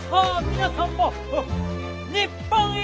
皆さんも「日本一」！